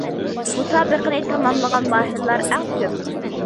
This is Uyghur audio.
مۇسابىقىنى تاماملىغان ماھىرلار ئەڭ كۆپ.